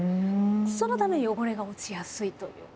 そのため汚れが落ちやすいという。